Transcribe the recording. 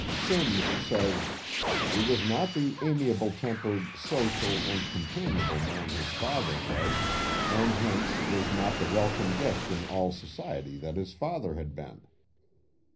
Simms says: He was not the amiable tempered, social, and companionable man his father was and hence was not the welcome guest in all society that his father had been."